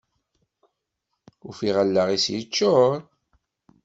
Ufiɣ allaɣ-is yeččur.